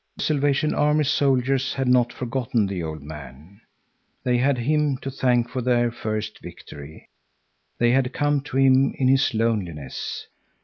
The Salvation Army soldiers had not forgotten the old man. They had him to thank for their first victory. They had come to him in his loneliness.